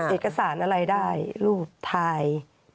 เราเก็บเอกสารอะไรได้รูปถ่าย